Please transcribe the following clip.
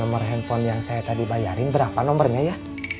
nomor handphone yang saya tadi bayarin berapa nomornya ya